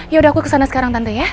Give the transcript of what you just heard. ya udah aku kesana sekarang tante ya